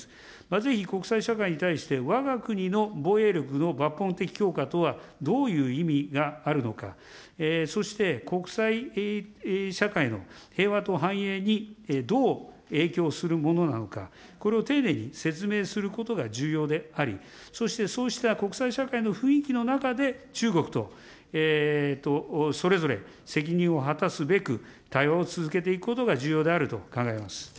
ぜひ国際社会に対して、わが国の防衛力の抜本的強化とはどういう意味があるのか、そして国際社会の平和と繁栄にどう影響するものなのか、これを丁寧に説明することが重要であり、そしてそうした国際社会の雰囲気の中で、中国とそれぞれ責任を果たすべく、対話を続けていくことが重要であると考えます。